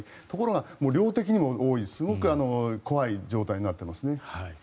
ところが量的にも多いすごく怖い状態になっていますね。